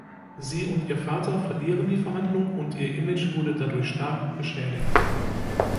Sie und ihr Vater verlieren die Verhandlung und ihr Image wurde dadurch stark geschädigt.